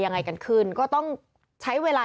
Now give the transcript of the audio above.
ยังไงกันขึ้นก็ต้องใช้เวลา